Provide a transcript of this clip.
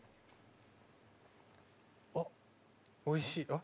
あっおいしい？